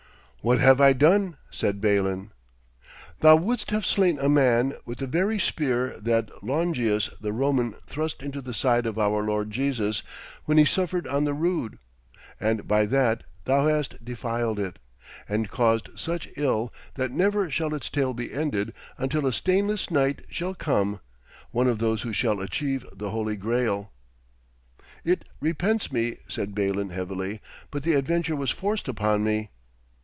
'What have I done?' said Balin. 'Thou wouldst have slain a man with the very spear that Longius the Roman thrust into the side of our Lord Jesus when He suffered on the Rood; and by that thou hast defiled it, and caused such ill that never shall its tale be ended until a stainless knight shall come, one of those who shall achieve the Holy Graal.' 'It repents me,' said Balin heavily, 'but the adventure was forced upon me.'